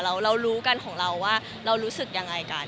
เรารู้กันของเราว่าเรารู้สึกยังไงกัน